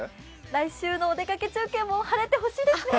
来週のお出かけ中継も晴れてほしいですね。